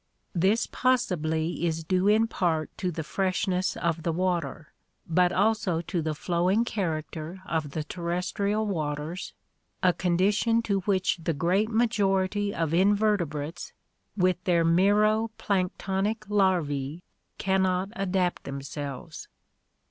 This possibly is due in part to the freshness of the water, but also to the flowing character of the terrestrial waters, a condi tion to which the great majority of invertebrates with their mero planktonic larvae can not adapt themselves.